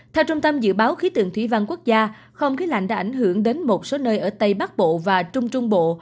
theo trung tâm dự báo khí tượng thủy văn quốc gia không khí lạnh đã ảnh hưởng đến một số nơi ở tây bắc bộ và trung trung bộ